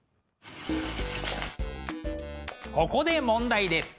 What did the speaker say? ここで問題です。